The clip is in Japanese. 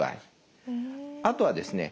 あとはですね